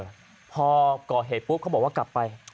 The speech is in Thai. อยู่พอก่อเหตุผูกเขาบอกว่ากลับไป